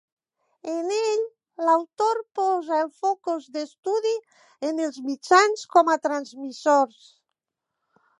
En ell, l'autor posa el focus d'estudi en els Mitjans, com a transmissors.